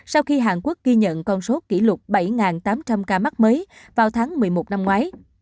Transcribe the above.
sau khi hàn quốc ghi nhận con số kỷ lục bảy tám trăm linh ca mắc mới vào tháng một mươi một năm ngoái